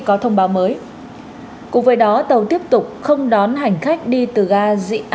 có thông báo mới cùng với đó tàu tiếp tục không đón hành khách đi từ ga dị an đến các ga